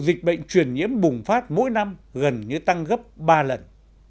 dịch bệnh truyền nhiễm bùng phát mỗi năm gần như tăng gấp ba lần